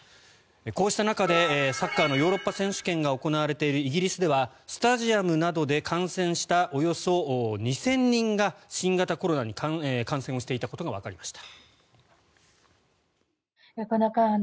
こうした中でサッカーのヨーロッパ選手権が行われているイギリスでは、スタジアムなどで観戦したおよそ２０００人が新型コロナに感染していたことがわかりました。